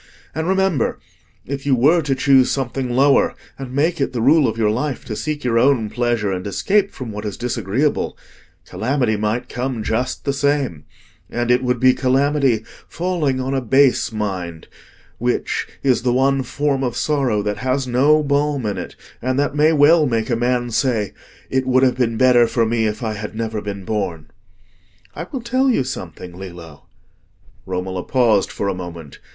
And remember, if you were to choose something lower, and make it the rule of your life to seek your own pleasure and escape from what is disagreeable, calamity might come just the same; and it would be calamity falling on a base mind, which, is the one form of sorrow that has no balm in it, and that may well make a man say, 'It would have been better for me if I had never been born.' I will tell you something, Lillo." Romola paused for a moment.